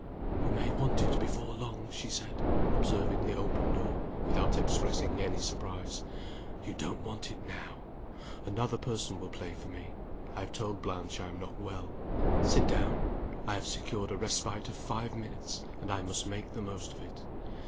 "You may want it before long," she said, observing the open door, without expressing any surprise, "You don't want it now. Another person will play for me I have told Blanche I am not well. Sit down. I have secured a respite of five minutes, and I must make the most of it.